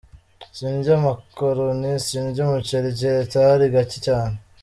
Sindya amakaroni, sindya umuceri, keretse ahari gake cyane.